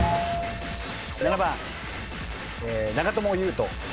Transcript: ７番長友佑都さん。